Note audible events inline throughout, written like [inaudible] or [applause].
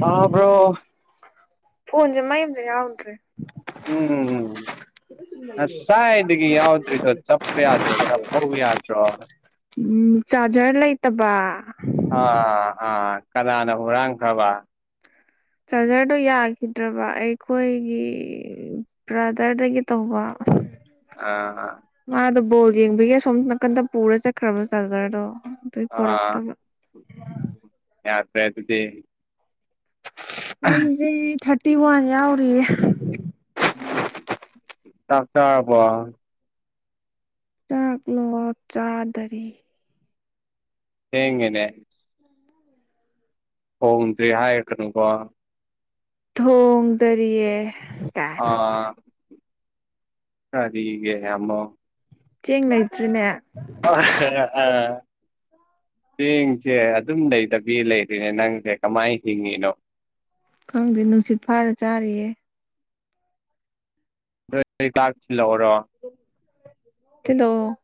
ꯇꯥꯕ꯭ꯔꯣ ꯐꯣꯟꯖꯦ ꯃꯩ ꯑꯝꯇ ꯌꯥꯎꯗ꯭ꯔꯦ ꯎꯝ ꯎꯝ ꯎꯝ ꯉꯁꯥꯏꯗꯒꯤ ꯌꯥꯎꯗ꯭ꯔꯤꯗꯣ ꯆꯞꯄ ꯌꯥꯗ꯭ꯔꯣ ꯆꯞ ꯍꯧ ꯌꯥꯗ꯭ꯔꯣ ꯎꯝ ꯆꯥꯔꯖꯔ ꯂꯩꯇꯕꯥ ꯑꯥ ꯑꯥ ꯀꯅꯥꯅ ꯍꯨꯔꯥꯡꯈ꯭ꯔꯕ ꯆꯥꯔꯖꯔꯗꯣ ꯌꯥꯈꯤꯗ꯭ꯔꯕ ꯑꯩꯈꯣꯏꯒꯤ ꯕ꯭ꯔꯗꯔꯗꯒꯤ ꯇꯧꯕ ꯑ ꯃꯥꯗꯣ ꯕꯣꯜ ꯌꯦꯡꯕꯤꯒꯤ ꯑꯁꯣꯝ ꯅꯥꯀꯟꯗ ꯄꯨꯔ ꯆꯠ ꯈ꯭ꯔꯕ ꯆꯥꯖꯔꯗꯣ ꯑꯗꯨꯏ ꯑꯥ ꯄꯣꯔꯛꯇꯕ ꯌꯥꯗ꯭ꯔꯦ ꯑꯗꯨꯗꯤ ꯃꯩꯁꯦ ꯊꯥꯔꯇꯤ ꯋꯥꯟ ꯌꯥꯎꯔꯤꯌꯦ ꯎꯝ ꯆꯥꯛ ꯆꯥꯔꯕꯣ ꯆꯥꯛꯂꯣ ꯆꯥꯗꯔꯤ ꯊꯦꯡꯉꯦꯅꯦ ꯊꯣꯡꯗ꯭ꯔꯤ ꯍꯥꯏꯔꯛꯀꯅꯨꯀꯣ ꯊꯣꯡꯗꯔꯤꯌꯦ ꯀꯥꯏꯅ ꯑꯥ [unintelligible] ꯒꯦ ꯑꯃꯣ ꯆꯦꯡ ꯂꯩꯇ꯭ꯔꯤꯅꯦ ꯑꯥ [unintelligible] ꯆꯦꯡꯁꯦ ꯑꯗꯨꯝ ꯂꯩꯇꯕꯤ ꯂꯩꯔꯤꯅꯦ ꯅꯪꯁꯦ ꯀꯃꯥꯏ ꯍꯤꯡꯉꯤꯅꯣ ꯈꯪꯗꯦ ꯅꯨꯡꯁꯤꯠ ꯐꯥꯔ ꯆꯥꯔꯤꯌꯦ ꯅꯣꯏ [unintelligible] ꯊꯤꯜꯂꯛꯎꯔꯣ ꯊꯩꯂꯑꯣ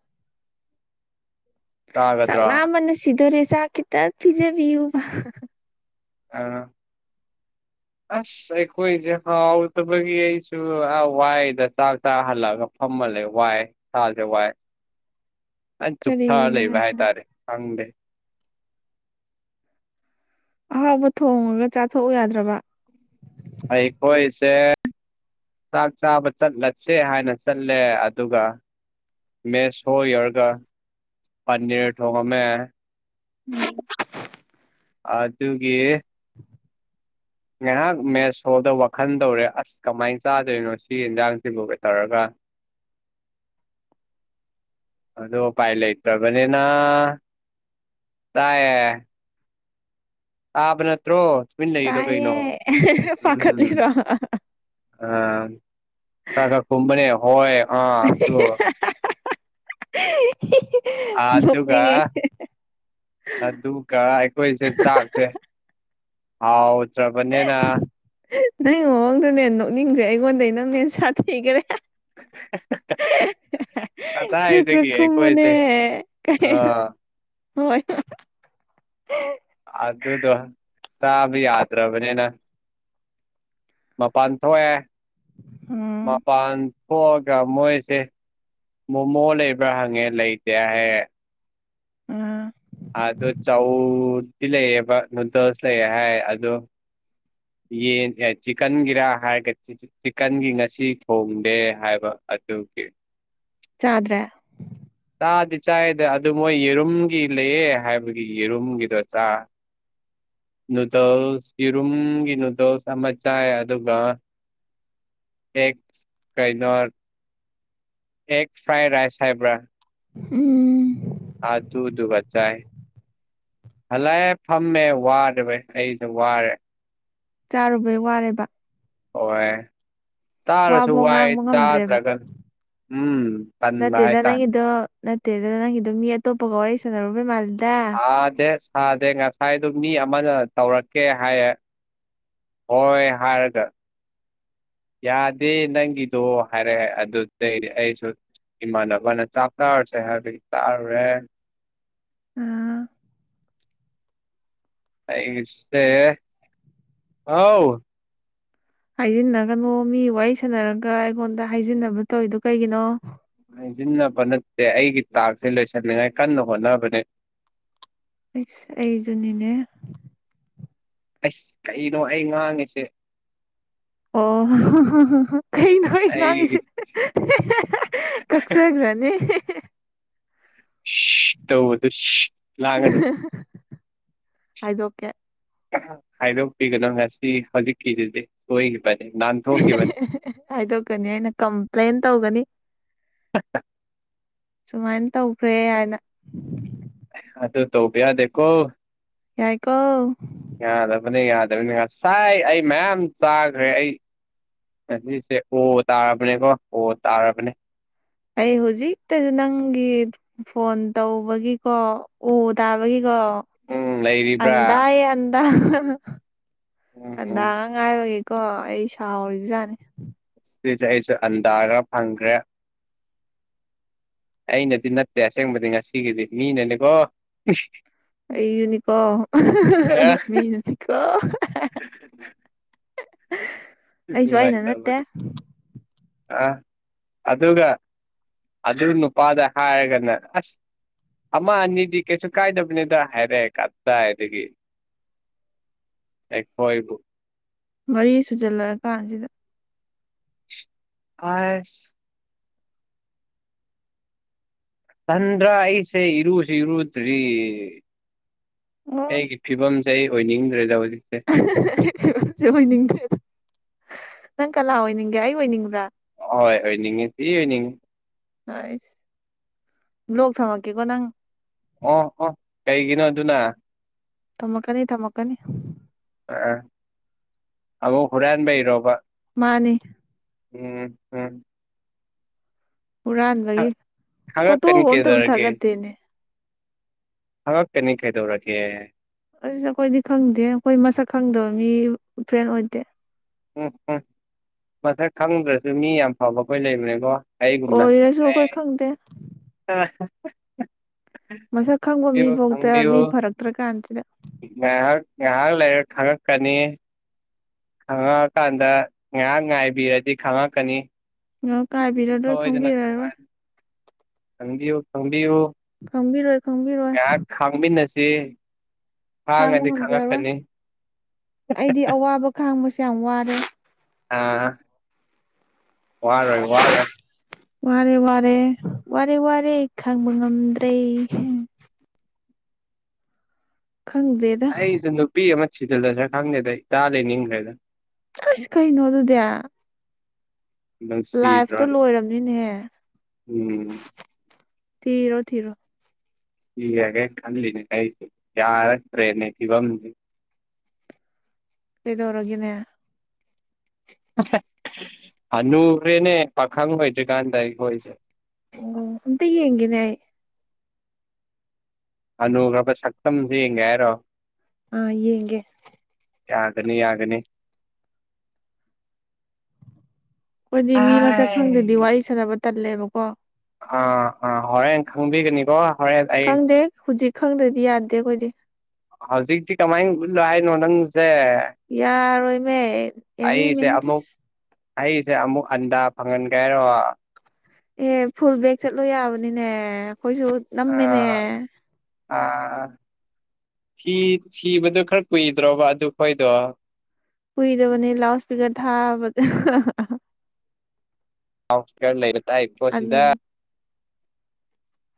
ꯆꯥꯛ ꯆꯥꯒꯗ꯭ꯔꯣ ꯂꯥꯝꯕꯅ ꯁꯤꯗꯣꯔꯦ ꯆꯥꯛ ꯈꯤꯇ ꯄꯤꯖꯕꯤꯌꯨ [unintelligible] ꯑ ꯑꯁ ꯑꯩꯈꯣꯏꯁꯦ ꯍꯥꯎꯗꯕꯒꯤ ꯑꯩꯁꯨ ꯋꯥꯏꯗ ꯆꯥꯛ ꯆꯥ ꯍꯜꯂꯛꯑꯒ ꯐꯝꯃꯜꯂꯦ ꯋꯥꯏ ꯁꯥꯁꯦ ꯋꯥꯏ ꯑꯩꯟ ꯆꯨꯞꯊꯔ ꯀꯔꯤꯅꯣ ꯂꯩꯕ ꯍꯥꯏꯁꯤꯕꯣ ꯍꯥꯏꯇꯥꯔꯦ ꯈꯪꯗꯦ ꯑꯍꯥꯎꯕ ꯊꯣꯡꯉꯒ ꯆꯥꯊꯣꯛꯎ ꯌꯥꯗ꯭ꯔꯕ ꯑꯩꯈꯣꯏ ꯁꯦ ꯆꯥꯛ ꯆꯥꯕ ꯆꯠꯂꯁꯦ ꯍꯥꯏꯅ ꯆꯠꯂꯦ ꯑꯗꯨꯒ ꯃꯦꯁ ꯍꯣ ꯌꯧꯔꯒ ꯄꯅꯤꯔ ꯊꯣꯡꯉꯝꯃꯦ ꯎꯝ ꯑꯗꯨꯒꯤ [inaudible] ꯉꯥꯏꯍꯥꯛ ꯃꯦꯠꯁ ꯍꯣꯜꯗ ꯋꯥꯈꯜ ꯇꯧꯔꯦ ꯑꯁ ꯀꯃꯥꯏꯅ ꯆꯥꯗꯣꯏꯅꯣ ꯁꯤ ꯌꯦꯟꯖꯥꯡꯁꯤꯕꯨ ꯀ ꯇꯧꯔꯒ ꯑꯗꯨ ꯎꯄꯥꯏ ꯂꯩꯇꯕꯅꯤꯅ ꯇꯥꯏꯌꯦ ꯇꯥꯕ ꯅꯠꯇ꯭ꯔꯣ ꯀꯨꯏꯟ ꯂꯩꯔꯤꯗꯣ ꯇꯥꯏꯌꯦ ꯀꯩꯅꯣ ꯎꯝ ꯄꯥꯈꯠꯂꯤꯔꯣ ꯑ ꯇꯒ ꯀꯨꯝꯕꯅꯦ ꯍꯣꯏ ꯑꯥ ꯁꯨ ꯑꯥ ꯗꯨꯒ ꯅꯣꯛꯅꯤꯡꯉꯦ ꯑꯗꯨꯒ ꯑꯩꯈꯣꯏꯁꯦ ꯆꯥꯛꯁꯦ ꯍꯥꯎꯇ꯭ꯔꯕꯅꯦꯅꯥ ꯅꯪꯒꯤ ꯃꯑꯣꯡ ꯗꯅꯦ ꯅꯣꯛꯅꯤꯡꯈ꯭ꯔꯦ ꯑꯩꯉꯣꯟꯗꯩ ꯅꯪꯅꯦ ꯁꯥꯊꯤꯈꯔꯦ [inaudible] ꯍꯥꯑꯥ ꯈ꯭ꯔ ꯀꯗꯥꯏꯗꯒꯤ ꯈꯔꯈꯨꯝꯃꯨꯅꯦ ꯑꯩꯈꯣꯏꯁꯦ ꯍꯦ ꯑꯥ ꯍꯣꯏ ꯑꯗꯨꯗꯣ ꯇꯥꯕ ꯌꯥꯗ꯭ꯔꯕꯅꯤꯅ ꯃꯄꯥꯟ ꯊꯣꯛꯑꯦ ꯎꯝ ꯃꯄꯥꯟ ꯍꯣꯛꯑꯒ ꯃꯣꯏꯁꯦ ꯃꯣꯃꯣ ꯂꯩꯕ꯭ꯔꯥ ꯍꯪꯉꯦ ꯂꯩꯇꯦ ꯍꯥꯏ ꯑꯥ ꯑꯗꯣ ꯆꯧꯗꯤ ꯂꯩꯌꯦꯕ ꯅꯨꯗꯜꯁ ꯂꯩꯌꯦ ꯍꯥꯏ ꯑꯗꯣ ꯌꯦ ꯆꯤꯛꯀꯥꯟ ꯒꯤꯔꯥ ꯍꯥꯏꯒ ꯆꯤꯛꯀꯟꯒꯤ ꯉꯁꯤ ꯊꯣꯡꯗꯦ ꯍꯥꯏꯕ ꯑꯗꯨꯒꯤ ꯆꯥꯗ꯭ꯔꯦ ꯆꯥꯗꯤ ꯆꯥꯏꯗ ꯑꯗꯨ ꯃꯣꯏ ꯌꯦꯔꯨꯝꯒꯤ ꯂꯩꯌꯦ ꯍꯥꯏꯕꯒꯤ ꯌꯦꯔꯨꯝꯒꯤꯗꯣ ꯆꯥ ꯅꯨꯗꯜꯁ ꯌꯦꯔꯨꯝꯒꯤ ꯅꯨꯗꯜꯁ ꯑꯃ ꯆꯥꯏ ꯑꯗꯨꯒꯥ ꯑꯦꯛ ꯀꯩꯅꯣ ꯑꯦꯒ ꯐ꯭ꯔꯥꯏ ꯔꯥꯏꯁ ꯍꯥꯏꯕ꯭ꯔꯥ ꯎꯝ ꯑꯥ ꯑꯗꯨꯗꯨꯒ ꯆꯥꯏ ꯍꯜꯂꯑꯦ ꯐꯝꯃꯦ ꯋꯥꯗꯕꯩ ꯑꯩꯁꯨ ꯋꯥꯌꯦ ꯆꯥꯔꯨꯕꯩ ꯋꯥꯔꯦꯕ ꯋꯦ ꯆꯥꯔꯁꯨ ꯋꯥꯕꯧ ꯋꯥꯏ ꯉꯥꯡꯕ ꯉꯝꯗ꯭ꯔꯦꯕ ꯆꯥꯗ꯭ꯔꯒ ꯎꯝ ꯇꯟꯕ ꯅꯠꯇꯦꯗ ꯍꯥꯏꯇꯥꯔꯦ ꯅꯪꯒꯤꯗꯣ ꯅꯠꯇꯦꯗ ꯅꯪꯒꯤꯗꯣ ꯃꯤ ꯑꯇꯣꯞꯄꯒ ꯋꯥꯔꯤ ꯁꯥꯟꯅꯔꯨꯕꯩ ꯃꯥꯜꯂꯤ ꯁꯥꯗꯦ ꯁꯥꯗꯦ ꯉꯥ ꯍꯥꯏꯗꯣ ꯃꯤ ꯑꯃꯅ ꯇꯧꯔꯛꯀꯦ ꯍꯥꯏꯌꯦ ꯍꯣꯏ ꯍꯥꯏꯔꯒ ꯌꯥꯗꯦ ꯅꯪꯒꯤꯗꯣ ꯍꯥꯏꯔꯛꯑꯦ ꯑꯗꯨꯗꯩꯗꯤ ꯑꯩꯁꯨ ꯏꯃꯥꯟꯅꯕꯅ ꯆꯥꯛ ꯇꯥꯔꯁꯦ ꯍꯥꯏꯕꯗꯤ ꯇꯥꯔꯨꯔꯦ ꯑꯥ ꯑꯩꯁꯦ ꯍꯥꯎ ꯍꯥꯏꯖꯤꯟꯅꯒꯅꯣ ꯃꯤ ꯋꯥꯔꯤ ꯁꯥꯟꯅꯔꯒ ꯑꯩꯉꯣꯟꯗ ꯍꯥꯏꯖꯤꯟꯅꯕ ꯇꯧꯋꯤꯗꯣ ꯀꯩꯒꯤꯅꯣ ꯍꯥꯏꯖꯤꯟꯅꯕ ꯅꯠꯇꯦ ꯑꯩꯒꯤ ꯇꯥꯛꯁꯦ ꯂꯣꯏꯁꯟꯅꯤꯡꯉꯥꯏ ꯀꯟꯅ ꯍꯣꯠꯅꯕꯅꯦ ꯑꯩꯁ ꯑꯩꯖꯨꯅꯤꯅꯦ ꯑꯁ ꯀꯩꯅꯣ ꯑꯩ ꯉꯥꯡꯉꯤꯁꯦ ꯑꯣ ꯀꯩꯅꯣ ꯑꯩ ꯉꯪ ꯑꯩꯒꯤ ꯏꯁꯦ ꯍꯦ ꯀꯛꯆꯒ꯭ꯔꯅꯤ ꯁꯦꯁ ꯇꯧꯕꯗꯣ ꯁꯦꯁ ꯍꯥꯏꯗꯣꯀꯦ ꯍꯥꯏꯗꯣꯛꯄꯤꯒꯅꯨ ꯉꯁꯤ ꯍꯧꯖꯤꯛꯀꯤꯗꯨꯗꯤ ꯁꯣꯏꯈꯤꯕꯅꯦ ꯅꯟ ꯍꯥꯏꯗꯣꯛꯀꯅꯤ ꯑꯩꯅ ꯀꯝꯄ꯭ꯂꯦꯟ ꯇꯧꯒꯅꯤ ꯁꯨꯃꯥꯏꯅ ꯇꯧꯈ꯭ꯔꯦ ꯍꯥꯏꯅ ꯑꯗꯨ ꯇꯧꯕ ꯌꯥꯗꯦꯀꯣ ꯌꯥꯏꯀꯣ ꯌꯥꯗꯕꯅꯤ ꯌꯥꯗꯕꯅꯤ ꯉꯥꯁꯥꯏ ꯑꯩ ꯃꯌꯥꯝ ꯆꯥꯈ꯭ꯔꯦ ꯑꯩ ꯉꯥꯁꯤꯁꯦ ꯑꯣ ꯇꯥꯔꯕꯅꯦꯀꯣ ꯑꯣ ꯇꯥꯔꯕꯅꯦ ꯑꯩ ꯍꯧꯖꯤꯛꯇꯗ ꯅꯪꯒꯤ ꯐꯣꯟ ꯇꯧꯕꯒꯤꯀꯣ ꯑꯣ ꯇꯥꯕꯒꯤꯀꯣ ꯎꯝ ꯂꯩꯔꯤꯕ꯭ꯔꯥ ꯑꯟꯗꯑꯦ ꯑꯟꯗ ꯎꯝ ꯎꯝ ꯑꯟꯗ ꯉꯥꯏꯕꯒꯤꯀꯣ ꯑꯩ ꯁꯥꯎꯔꯤꯕ ꯖꯥꯠꯅꯤ ꯁꯤꯁꯦ ꯑꯩꯁꯨ ꯑꯟꯗꯥ ꯈ꯭ꯔ ꯐꯪꯈ꯭ꯔꯦ ꯑꯩꯅꯗꯤ ꯅꯠꯇꯦ ꯑꯁꯦꯡꯕꯗꯤ ꯉꯁꯤꯒꯤꯗꯤ ꯃꯤꯅꯅꯤꯀꯣ ꯑꯩꯁꯨꯅꯤꯀꯣ ꯑꯦ [unintelligible] ꯃꯤꯅꯅꯤꯀꯣ ꯑꯩꯁꯨ ꯑꯩꯅ ꯅꯠꯇꯦ ꯑꯥ ꯑꯗꯨꯒ ꯑꯗꯨ ꯅꯨꯄꯥꯗ ꯍꯥꯏꯔꯒꯅ ꯑꯁ ꯑꯃ ꯑꯅꯤꯗꯤ ꯀꯩꯁꯨ ꯀꯥꯏꯗꯕꯅꯦꯗ ꯍꯥꯏꯔꯛꯑꯦ ꯀꯗꯥꯥꯏꯗꯒꯤ ꯑꯩꯈꯣꯏꯕꯨ ꯃꯔꯤ ꯁꯨꯖꯜꯂꯛꯑ ꯀꯥꯟꯁꯤꯗ ꯍꯥꯢꯁ ꯇꯟꯗ꯭ꯔꯥ ꯑꯩꯁꯦ ꯏꯔꯨꯁꯨ ꯏꯔꯨꯗ꯭ꯔꯤ ꯑꯣ ꯑꯩꯒꯤ ꯐꯤꯕꯝ ꯑꯩ ꯑꯣꯏꯅꯤꯡꯗ꯭ꯔꯦꯗ ꯍꯧꯖꯤꯛꯁꯦ [unintelligible] ꯑꯩ ꯐꯤꯚꯝꯁꯦ ꯑꯣꯏꯅꯤꯡꯗ꯭ꯔꯦ ꯅꯪ ꯀꯅꯥ ꯑꯣꯏꯅꯤꯡꯒꯦ ꯑꯩ ꯑꯣꯏꯅꯤꯡꯕ꯭ꯔꯥ ꯍꯣꯏ ꯑꯣꯏꯅꯤꯡꯉꯦ ꯊꯤ ꯑꯣꯏꯅꯤꯡꯉꯤ ꯍꯩꯁ ꯕ꯭ꯂꯣꯛ ꯊꯝꯃꯛꯀꯦꯀꯣ ꯅꯪ ꯑꯣꯍꯣ ꯀꯩꯒꯤꯅꯣ ꯑꯗꯨꯅ ꯊꯝꯃꯛꯀꯅꯤ ꯊꯝꯃꯛꯀꯅꯤ ꯑꯥ ꯑꯃꯛ ꯍꯨꯔꯥꯟꯕꯩꯔꯣꯕ ꯃꯥꯅꯤ ꯎꯝ ꯎꯝ ꯍꯨꯔꯥꯟꯕꯒꯤ ꯍꯪꯉꯛꯀꯅꯤ ꯐꯣꯇꯣꯕꯨ ꯑꯝꯇꯕꯨ ꯀꯩꯗꯧꯔꯒꯦ ꯊꯥꯒꯠꯇꯦꯅꯦ ꯊꯒꯠꯀꯅꯤ ꯀꯩꯗꯧꯔꯒꯦ ꯑꯁꯤ ꯑꯩꯈꯣꯏꯗꯤ ꯈꯪꯗꯦ ꯑꯩꯈꯣꯏ ꯃꯁꯛ ꯈꯪꯗꯕ ꯃꯤ ꯐ꯭ꯔꯦꯟ ꯑꯣꯏꯗꯦ ꯎꯝ ꯎꯝ ꯃꯁꯛ ꯈꯪꯗ꯭ꯔꯁꯨ ꯃꯤ ꯌꯥꯝ ꯐꯕ ꯑꯩꯈꯣꯏ ꯂꯩꯕꯅꯦꯀꯣ ꯑꯩꯒꯨꯨꯝꯅꯥ ꯑꯣꯏꯔꯁꯨ ꯑꯩꯈꯣꯏ ꯈꯪꯗꯦ [unintelligible] ꯃꯁꯛ ꯈꯪꯕ ꯃꯤꯐꯥꯎꯗ ꯃꯤ ꯐꯔꯛꯇ꯭ꯔ ꯀꯥꯟꯁꯤꯗ ꯉꯥꯏꯍꯥꯛ ꯉꯥꯏꯍꯥꯛ ꯂꯩꯔꯒ ꯈꯪꯉꯛꯀꯅꯤ ꯈꯪꯉꯛꯑꯀꯥꯟꯗ ꯉꯥꯏꯍꯥꯛ ꯉꯥꯏꯕꯤꯔꯗꯤ ꯈꯪꯉꯛꯀꯅꯤ ꯉꯍꯥꯛ ꯉꯥꯏꯕꯤꯔꯔꯣꯏ ꯁꯣꯏꯗꯅ ꯈꯪꯕꯤꯔꯔꯣꯏ ꯈꯪꯉꯛꯑꯅꯤ ꯈꯪꯕꯤꯌꯨ ꯈꯪꯕꯤꯌꯨ ꯈꯪꯕꯤꯔꯣꯢ ꯈꯪꯕꯤꯔꯣꯏ ꯉꯥꯏꯍꯥꯛ ꯈꯥꯡꯃꯤꯟꯅꯁꯤ ꯈꯥꯡꯕ ꯈꯥꯡꯉꯗꯤ ꯉꯝꯖꯔꯣꯏ ꯈꯪꯉꯛꯀꯅꯤ ꯑꯩꯗꯤ ꯑꯋꯥꯕ ꯈꯥꯡꯕꯁꯦ ꯌꯥꯝ ꯋꯥꯔꯦ ꯑꯥ ꯋꯥꯔꯣꯏ ꯋꯥꯔꯣꯏ ꯋꯥꯔꯦ ꯋꯥꯔꯦ ꯋꯥꯔꯦ ꯋꯥꯔꯦ ꯈꯥꯡꯕ ꯉꯝꯗ꯭ꯔꯦ ꯈꯪꯗꯦ ꯑꯩꯁꯨ ꯅꯨꯄꯤ ꯑꯃ ꯊꯖꯤꯜꯂꯁꯤꯔ ꯈꯪꯗꯦꯗ ꯏꯆꯥ ꯂꯩꯅꯤꯡꯈ꯭ꯔꯦꯗ ꯑꯁ ꯀꯩꯅꯣ ꯑꯗꯨꯗꯦ ꯅꯨꯡꯁꯤꯗ꯭ꯔꯣ ꯂꯥꯏꯐꯇꯣ ꯂꯣꯏꯔꯝꯅꯤꯅꯦꯍꯦ ꯎꯝ ꯊꯤꯔꯣ ꯊꯤꯔꯣ ꯊꯤꯔꯒꯦ ꯈꯟꯂꯤꯅꯦ ꯑꯩꯁꯨ ꯌꯥꯔꯛꯇ꯭ꯔꯦꯅꯦ ꯐꯤꯕꯝꯁꯤ ꯀꯩꯗꯧꯔꯒꯅꯦ ꯍꯅꯨꯈ꯭ꯔꯦꯅꯦ ꯄꯥꯈꯪ ꯑꯣꯏꯗ꯭ꯔꯤꯀꯥꯟꯗ ꯑꯩꯈꯣꯏꯗꯤ ꯎꯟ ꯑꯝꯇꯥ ꯌꯦꯡꯒꯦꯅꯦ ꯑꯩ ꯍꯥꯅꯨꯈꯔꯥꯕ ꯁꯛꯇꯝꯁꯦ ꯌꯦꯡꯒꯦ ꯍꯥꯏꯔꯣ ꯑ ꯌꯦꯡꯒꯦ ꯌꯥꯒꯅꯤ ꯌꯥꯒꯅꯤ ꯑꯩꯈꯣꯏꯗꯤ ꯃꯤ ꯃꯁꯛ ꯈꯪꯗꯗꯤ ꯍꯥꯏ ꯋꯥꯔꯤ ꯁꯥꯟꯅꯕ ꯇꯜꯂꯦꯕꯀꯣ ꯑꯥ ꯑꯥ ꯍꯣꯔꯦꯟ ꯈꯪꯕꯤꯒꯅꯤꯀꯣ ꯍꯣꯔꯦꯟ ꯑꯩ ꯈꯪꯗꯦ ꯍꯧꯖꯤꯛ ꯈꯪꯗ꯭ꯔꯗꯤ ꯌꯥꯗꯦ ꯑꯩꯈꯣꯏꯗꯤ ꯍꯧꯖꯤꯛꯇꯤ ꯀꯃꯥꯏꯅ ꯎꯠꯂꯣ ꯍꯥꯏꯅꯣ ꯅꯪꯒꯤꯁꯦ ꯌꯥꯔꯣꯏꯃꯦ ꯑꯦꯅꯤ ꯃꯤꯟꯁ ꯑꯃꯨꯛ ꯑꯩꯁꯦ ꯑꯃꯨꯛ ꯑꯟꯗꯥ ꯐꯪꯍꯟꯒꯦ ꯍꯥꯏꯔꯣ ꯑꯦ ꯐꯨꯜ ꯕꯦꯒ ꯆꯠꯂꯣ ꯌꯥꯕꯅꯤꯅꯦ ꯑꯩꯈꯣꯏꯁꯨ ꯅꯝꯃꯦꯅꯦ ꯑꯥ ꯑꯥ ꯊꯤ ꯊꯤꯕꯗꯥ ꯈꯔ ꯀꯨꯏꯗ꯭ꯔꯣꯕ ꯑꯗꯨ ꯈꯣꯏꯗꯣ ꯀꯨꯏꯗꯕꯅꯤ ꯂꯥꯎꯠ ꯏꯁꯄꯤꯀꯔ ꯊꯥꯕꯗꯥ ꯂꯥꯑꯣꯗ ꯑꯦꯁꯄ꯭ꯤꯀꯥꯔ ꯂꯩꯔ ꯇꯥꯏꯀꯣ ꯁꯤꯗ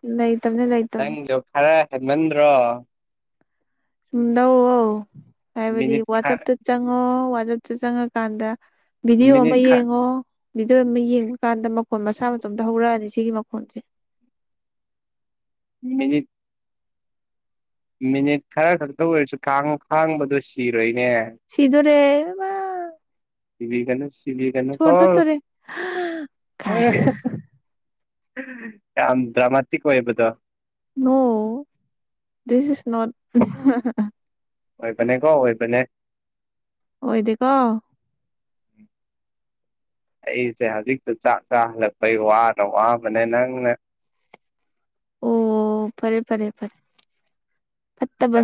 ꯂꯩ ꯇꯝꯅꯦ ꯂꯩ ꯅꯪꯒꯤꯗꯣ ꯈꯔ ꯍꯦꯟꯃꯟꯗ꯭ꯔꯣ ꯁꯨꯝ ꯂꯧꯑꯣ ꯍꯥꯏꯕꯗꯤ ꯃꯤꯅꯤꯠ ꯈ ꯋꯥꯆꯞꯇ ꯆꯪꯉꯣ ꯋꯥꯆꯞꯇ ꯆꯪꯉꯀꯥꯟꯗ ꯚꯤꯗꯤꯑꯣ ꯑꯃ ꯃꯤꯅꯤꯠ ꯈ ꯌꯦꯡꯉꯣ ꯚꯤꯗꯤꯑꯣ ꯑꯃ ꯌꯦꯡꯕ ꯀꯥꯟꯗ ꯃꯈꯣꯟ ꯃꯁꯥ ꯃꯇꯣꯝꯇ ꯍꯧꯔꯛꯑꯅꯤ ꯁꯤꯒꯤ ꯃꯈꯣꯟꯁꯦ ꯃꯤꯅꯤꯠ ꯃꯤꯅꯤꯠ ꯈꯔ ꯈꯛꯇ ꯑꯣꯏꯔꯁꯨ ꯈꯥꯡꯎ ꯈꯥꯡꯕꯗꯣ ꯁꯤꯔꯣꯏꯅꯦ ꯁꯤꯗꯣꯔꯦ ꯏꯃꯥ ꯁꯤꯕꯤꯒꯅꯨ ꯁꯤꯕꯤꯒꯅꯨꯀꯣ ꯁꯣꯔ ꯆꯠꯇꯣꯔꯦ ꯀꯥꯏ ꯌꯥꯝ ꯗ꯭ꯔꯥꯃꯥꯇꯤꯛ ꯑꯣꯏꯕꯗꯣ ꯅꯣ ꯗꯤꯁ ꯏꯖ ꯅꯣꯠ ꯑꯣꯏꯕꯅꯦꯀꯣ ꯑꯣꯏꯕꯅꯦ ꯑꯣꯏ ꯗꯦꯀꯣ ꯑꯩꯁꯦ ꯍꯧꯖꯤꯛꯇ ꯆꯥꯛ ꯆꯥꯍꯜꯂꯛꯄꯩ ꯋꯥꯅ ꯋꯥꯕꯅꯦ ꯅꯪꯅ ꯑꯣ ꯐꯔꯦ ꯐꯔꯦ ꯐꯔꯦ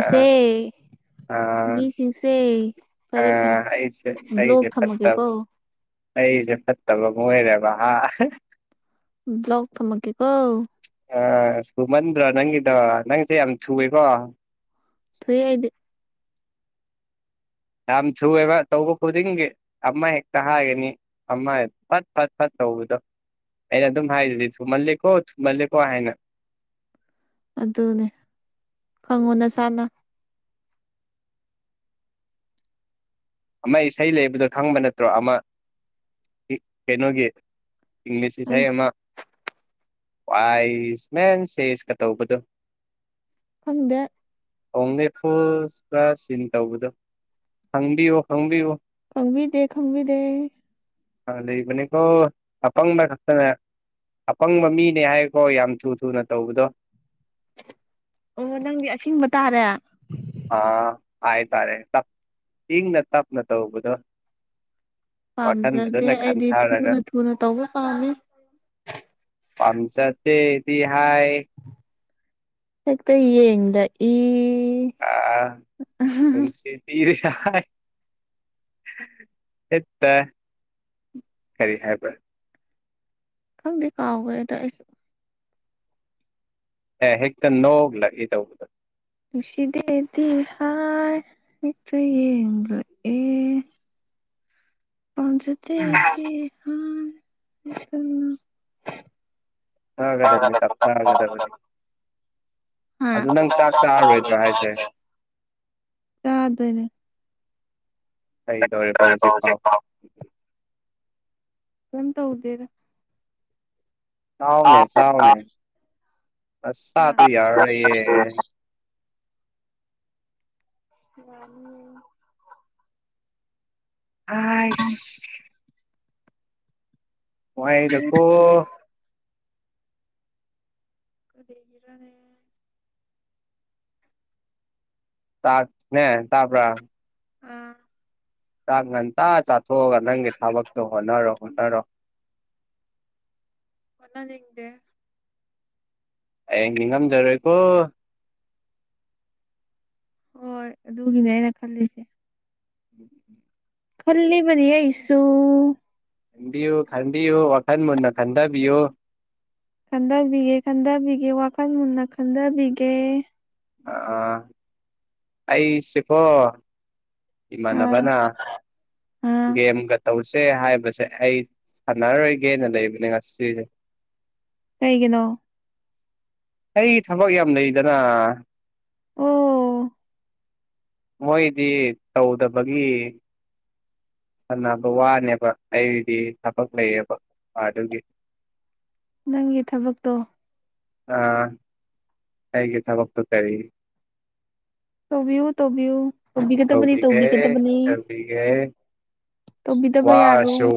ꯑ ꯑ ꯃꯤꯁꯤꯡꯁꯦ ꯑ ꯐꯔꯦ ꯐꯔꯦ ꯑꯩꯁꯦ ꯕ꯭ꯂꯣꯛ ꯑꯩꯁꯦ ꯐꯠꯇꯕ ꯊꯝꯃꯒꯦꯀꯣ ꯑꯩꯁꯦ ꯐꯠꯇꯕ ꯑꯃ ꯑꯣꯏꯔꯦꯕ ꯕ꯭ꯂꯛ ꯇꯊꯝꯃꯛꯀꯦꯀꯣ ꯑ ꯊꯨꯃꯟꯗ꯭ꯔꯣ ꯅꯪꯒꯤꯗꯣ ꯅꯪꯁꯦ ꯌꯥꯝ ꯊꯨꯏꯌꯦꯀꯣ ꯊꯨꯏ ꯍꯥꯏꯗꯤ ꯌꯥꯝ ꯊꯨꯏꯑꯦꯕ ꯇꯧꯕ ꯈꯨꯗꯤꯡꯒꯤ ꯑꯃ ꯍꯦꯛꯇ ꯍꯥꯏꯒꯅꯤ ꯑꯃ ꯐꯠ ꯐꯠ ꯐꯠ ꯇꯧꯕꯗꯥ ꯑꯩꯅ ꯑꯗꯨꯝ ꯍꯥꯏꯔꯤꯗꯨꯗꯤ ꯊꯨꯃꯜꯂꯦꯀꯣ ꯊꯨꯝꯃꯜꯂꯦꯀꯣ ꯍꯥꯏꯅ ꯑꯗꯨꯅꯦ ꯈꯪꯉꯣ ꯅꯁꯥꯥꯅ ꯑꯃ ꯏꯁꯩ ꯂꯩꯕꯗꯣ ꯈꯪꯕ ꯅꯠꯇ꯭ꯔꯣ ꯑꯃ ꯏ ꯀꯩꯅꯣꯒꯤ ꯏꯪꯂꯤꯁꯀꯤ ꯑꯩ ꯏꯁꯩ ꯑꯃ ꯑꯥꯏ ꯁꯃꯦꯟ ꯁꯦꯁꯀ ꯇꯧꯕꯗꯣ ꯈꯪꯗꯦ ꯑꯣꯟꯂꯤ ꯐꯨꯜ ꯐꯂꯁ ꯁꯤꯟ ꯇꯧꯕꯗꯣ ꯈꯪꯕꯤꯌꯨ ꯈꯪꯕꯤꯌꯨ ꯈꯪꯕꯤ ꯗꯦ ꯈꯪꯕꯤꯗꯦ ꯑ ꯂꯩꯕꯅꯤꯀꯣ ꯑꯄꯪꯕ ꯈꯛꯇꯅꯦ ꯑꯄꯪꯕ ꯃꯤꯅꯦ ꯍꯥꯏꯀꯣ ꯌꯥꯝ ꯊꯨ ꯊꯨꯅ ꯇꯧꯕꯗꯣ ꯑꯣ ꯅꯪꯗꯤ ꯑꯁꯤꯡꯕ ꯇꯥꯔꯦ ꯑꯥ ꯍꯥꯏ ꯇꯔꯦ ꯇꯞ ꯏꯪꯅ ꯇꯞꯅ ꯇꯧꯕꯕꯗꯣ ꯄꯥꯝꯖꯗꯦ ꯑꯩꯗꯤ ꯈꯟꯊꯔꯒ ꯊꯨꯅ ꯊꯨꯅ ꯇꯧꯕ ꯄꯥꯝꯃꯤ ꯄꯝꯆ ꯗꯦꯗꯤ ꯍꯥꯏ ꯍꯦꯛꯇ ꯌꯦꯡ ꯂꯛ ꯏ ꯑ ꯅꯨꯡꯁꯤ ꯄꯤꯔꯤꯍꯥꯏ ꯍꯦꯛꯇ ꯀꯔꯤ ꯍꯥꯏꯕ꯭ꯔ ꯈꯪꯗꯗꯤ ꯀꯥꯎꯈ꯭ꯔꯦ ꯑꯗꯣ ꯑꯩ ꯑꯦ ꯍꯦꯛꯇ ꯅꯣ ꯂꯥꯛꯏ ꯇꯧꯕꯗ ꯅꯨꯛꯁꯤꯗꯦꯗꯤ ꯍꯥꯏ ꯍꯦꯛꯇ ꯌꯦꯛꯂꯛꯏ ꯄꯝꯖꯥꯗꯦꯗꯤ ꯍꯥꯏ [unintelligible] ꯒꯗꯅꯤ ꯇꯞꯊꯒꯗꯕꯅꯤ ꯑꯗꯨ ꯅꯪ ꯆꯥꯛ ꯆꯥꯔꯔꯣꯏꯗ꯭ꯔꯣ ꯍꯥꯏꯁꯦ ꯆꯗꯨꯏꯅꯤ ꯀꯩꯗꯧꯔꯤꯕ ꯍꯧꯖꯤꯛꯐꯥꯎ ꯀꯤꯝ ꯇꯧꯗꯦꯗ ꯍꯥ ꯆꯥꯎꯅꯦ ꯆꯥꯎꯅꯦ ꯑꯁ ꯅꯁꯥꯗꯣ ꯌꯥꯔꯔꯣꯏꯑꯦ ꯌꯥꯅꯤꯌꯦ ꯌꯥꯅꯤꯌꯦ ꯑꯁ ꯋꯥꯥꯏꯑꯦꯗꯀꯣ ꯀꯔꯤꯒꯤꯔꯅꯦ ꯆꯥꯛ ꯅꯦ ꯇꯕꯔꯥ ꯑꯥ ꯆꯥꯡ ꯉꯟꯇꯥ ꯆꯥꯊꯣꯛꯑꯒ ꯅꯪꯒꯤ ꯊꯕꯛꯇꯣ ꯍꯣꯠꯅꯔꯣ ꯍꯣꯠꯅꯔꯣ ꯍꯣꯠꯅꯅꯤꯛꯗꯦ ꯍꯌꯦꯡ ꯅꯤꯡꯉꯝꯖꯔꯣꯏꯀꯣ ꯍꯣꯏ ꯑꯗꯨꯒꯤꯅꯦ ꯑꯩꯅ ꯈꯜꯂꯤꯁꯦ ꯎꯝ ꯈꯜꯂꯤꯕꯅꯤ ꯑꯩꯁꯨ ꯈꯟꯕꯤꯌꯨ ꯈꯟꯕꯤꯌꯨ ꯋꯥꯈꯜ ꯃꯨꯟꯅ ꯈꯟꯊꯕꯤꯌꯨ ꯈꯟꯊꯕꯤꯒꯦ ꯈꯟꯊꯕꯤꯒꯦ ꯋꯥꯈꯜ ꯃꯨꯟꯅ ꯈꯟꯊꯕꯤꯒꯦ ꯑ ꯑꯩ ꯁꯤꯈꯣ ꯏꯃꯥꯟ ꯑꯥ ꯅꯕꯅ ꯑꯥ ꯒꯦꯝꯒ ꯇꯧꯁꯦ ꯍꯥꯏꯕꯁꯦ ꯑꯩ ꯁꯥꯟꯅꯔꯣꯏꯒꯦꯅ ꯂꯩꯕꯅꯦ ꯉꯁꯤꯁꯦ ꯀꯩꯒꯤꯅꯣ ꯑꯩ ꯊꯕꯛ ꯌꯥꯝ ꯂꯩꯗꯅ ꯑꯣ ꯃꯣꯏꯗꯤ ꯇꯧꯗꯕꯒꯤ ꯁꯥꯟꯅꯕ ꯋꯥꯅꯦꯕ ꯑꯩꯗꯤ ꯊꯕꯛ ꯂꯩꯌꯦꯕ ꯑꯗꯨꯒꯤ ꯅꯪꯒꯤ ꯊꯕꯛ ꯇꯣ ꯑ ꯑꯩꯒꯤ ꯊꯥꯕꯛꯇꯣ ꯀꯔꯤ ꯇꯧꯕꯤꯌꯨ ꯇꯧꯕꯤꯌꯨ ꯇꯧꯕꯤꯒꯗꯕꯅꯤ ꯇꯧꯕꯤꯒꯗꯕꯅꯤ ꯁꯇꯧꯕꯤꯒꯦ ꯇꯧꯕꯤꯗꯕ ꯌꯥꯔꯣꯏ